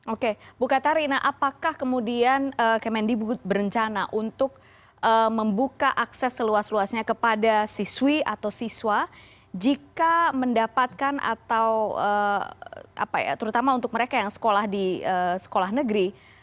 oke bukatarina apakah kemudian kmnd berencana untuk membuka akses seluas luasnya kepada siswi atau siswa jika mendapatkan atau apa ya terutama untuk mereka yang sekolah di sekolah negeri